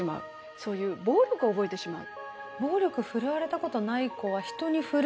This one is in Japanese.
そういう暴力を覚えてしまう。